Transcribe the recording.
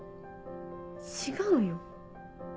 違うよ。